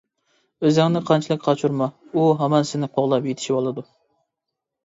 ئۆزۈڭنى قانچىلىك قاچۇرما ئۇ ھامان سېنى قوغلاپ يېتىشىۋالىدۇ.